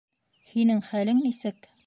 Һинең хәлең нисек?